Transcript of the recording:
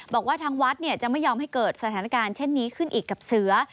บอกว่าทางวัดจะไม่ยอมให้เกิดสถานการณ์เช่นนี้ขึ้นอีกกับเสือ